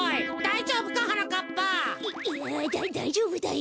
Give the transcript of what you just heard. いやだだいじょうぶだよ。